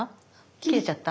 切れちゃった？